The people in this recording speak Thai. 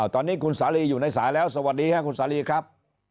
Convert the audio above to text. ตอนนี้คุณสาลีอยู่ในสายแล้วสวัสดีค่ะคุณสาลีครับ